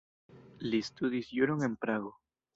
Li studis juron en Prago.